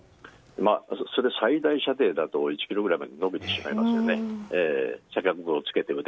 最大射程だと１ｋｍくらいまで伸びてしまいますよね。